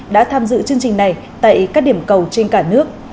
đã tham dự chương trình này tại các điểm cầu trên cả nước